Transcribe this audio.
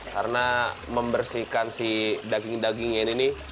karena membersihkan si daging daging ini ini